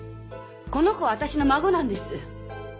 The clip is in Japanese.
この子は私の孫なんです。